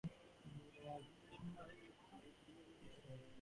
It is a favourite viewpoint, due to its position and accessibility.